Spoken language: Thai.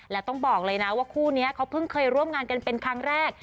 และต้องบอกเลยนะว่าคู่นี้เขาเพิ่งเคยร่วมงานกันเป็นครั้งแรก